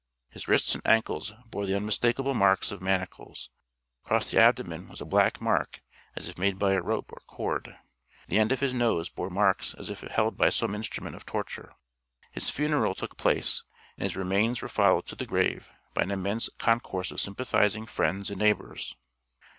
His wrists and ankles bore the unmistakable marks of manacles; across the abdomen was a black mark as if made by a rope or cord; the end of his nose bore marks as if held by some instrument of torture. His funeral took place, and his remains were followed to the grave by an immense concourse of sympathizing friends and neighbors.